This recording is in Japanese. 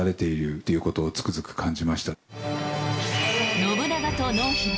信長と濃姫。